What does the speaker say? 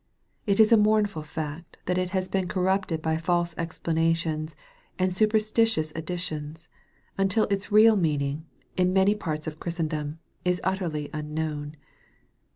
It is a mournful fact that it has been corrupted by false explanations and superstitious addi tions, until its real meaning, in many parts of Christen dom, is utterly unknown.